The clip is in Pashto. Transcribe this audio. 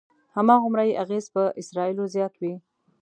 هماغومره یې اغېز پر اسرایلو زیات وي.